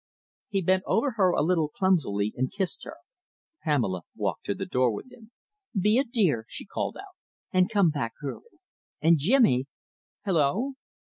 He bent over her a little clumsily and kissed her. Pamela walked to the door with him. "Be a dear," she called out, "and come back early. And, Jimmy!" ... "Hullo?'"